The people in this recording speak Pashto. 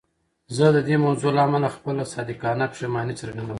زه د دې موضوع له امله خپله صادقانه پښیماني څرګندوم.